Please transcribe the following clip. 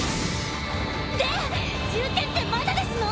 で充ってまだですの？